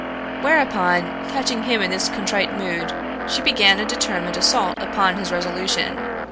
Whereupon, catching him in this contrite mood, she began a determined assault against his resolution.